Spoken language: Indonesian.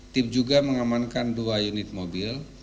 tim juga mengamankan dua unit mobil